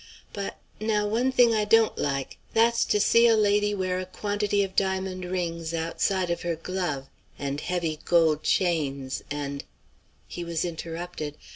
But now, one thing I don't like, that's to see a lady wear a quantity of diamond rings outside of her glove, and heavy gold chains, and" He was interrupted.